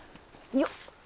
よっ。